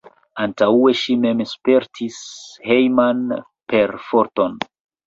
Antaŭe ŝi mem spertis hejman perforton.